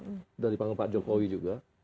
sudah dipanggil pak jokowi juga